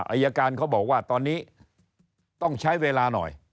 อายการเขาบอกว่าตอนนี้ต้องใช้เวลาหน่อย